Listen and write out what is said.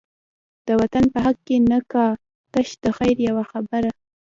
د وطن په حق کی نه کا، تش دخیر یوه خبره